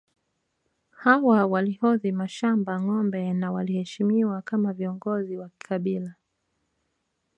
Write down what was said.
Hawa walihodhi mashamba ngombe na waliheshimiwa kama viongozi wa kikabila